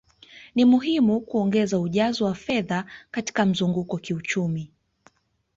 Ni muhimu kuongeza ujazo wa fedha katika mzunguko kiuchumi